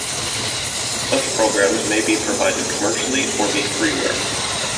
Such programs may be provided commercially or be freeware.